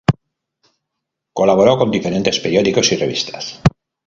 Colaboró con diferentes periódicos y revistas.